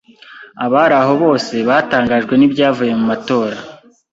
Abari aho bose batangajwe n'ibyavuye mu matora.